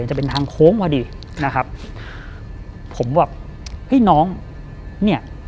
จะเป็นทางโค้งพอดีนะครับผมแบบเฮ้ยน้องเนี่ย